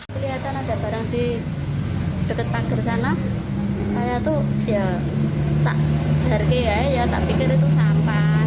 kelihatan ada barang di dekat pagar sana saya tuh ya tak jarki ya tak pikir itu sapa